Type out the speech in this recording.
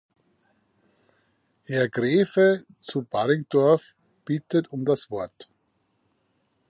Herr Graefe zu Baringdorf bittet um das Wort.